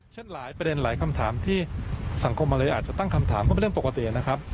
เช่นหลายประเด็นหลายคำถามที่สังคมมาเลยอาจจะตั้งคำถามก็เป็นเรื่องปกตินะครับ